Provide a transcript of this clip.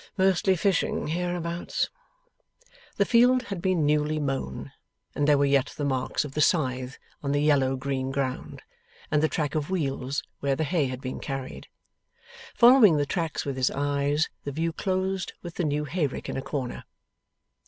Mostly fishing hereabouts!' The field had been newly mown, and there were yet the marks of the scythe on the yellow green ground, and the track of wheels where the hay had been carried. Following the tracks with his eyes, the view closed with the new hayrick in a corner.